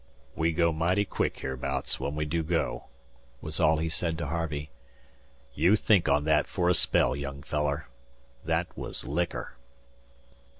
"We go mighty quick hereabouts when we do go," was all he said to Harvey. "You think on that fer a spell, young feller. That was liquor."